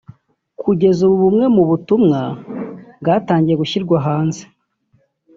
Kugeza ubu bumwe mu butumwa bwatangiye gushyirwa hanze